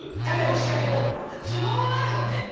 タネも仕掛けもつぼもあるのね！